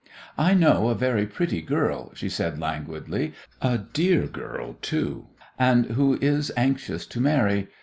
"I know a very pretty girl," she said languidly, "a dear girl, too, and one who is anxious to marry.